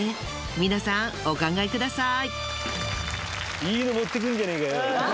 皆さんお考えください。